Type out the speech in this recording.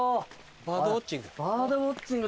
バードウオッチング。